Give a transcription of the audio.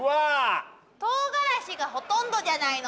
とうがらしがほとんどじゃないの！